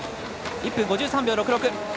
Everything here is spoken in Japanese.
１分５３秒６６。